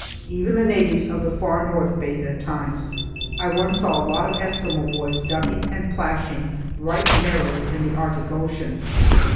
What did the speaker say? Even the natives of the far north bathe at times. I once saw a lot of Eskimo boys ducking and plashing right merrily in the Arctic Ocean.